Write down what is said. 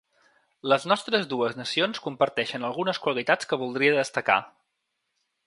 Les nostres dues nacions comparteixen algunes qualitats que voldria destacar.